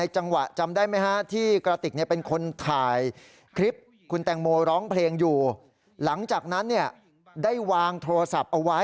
มันมันมันมันมันมันมันมันมันมัน